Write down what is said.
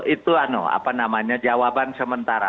itu apa namanya jawaban sementara